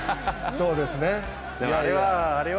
そうですね。